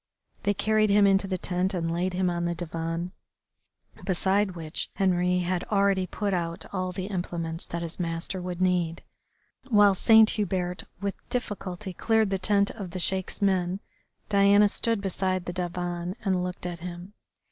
They carried him into the tent and laid him on the divan, beside which Henri had already put out all the implements that his master would need. While Saint Hubert, with difficulty, cleared the tent of the Sheik's men Diana stood beside the divan and looked at him.